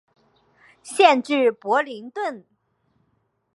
县治伯灵顿。